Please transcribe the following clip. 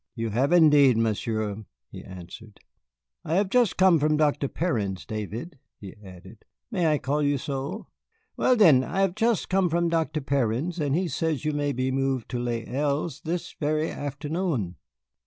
"You have indeed, Monsieur," he answered. "I have just come from Dr. Perrin's, David," he added, "May I call you so? Well, then, I have just come from Dr. Perrin's, and he says you may be moved to Les Îles this very afternoon.